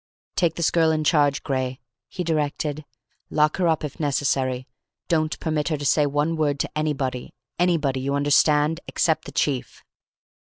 "Take this girl in charge, Gray," he directed. "Lock her up, if necessary. Don't permit her to say one word to anybody anybody you understand, except the chief."